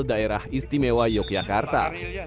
daerah istimewa yogyakarta